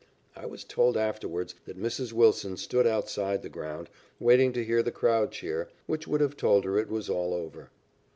I was told afterwards that Mrs. Wilson stood outside the ground, waiting to hear the crowd cheer, which would have told her it was all over.